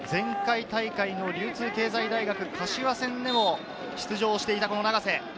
前回大会の流通経済大学柏戦でも出場していた長瀬。